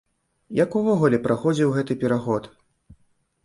Як увогуле праходзіў гэты пераход?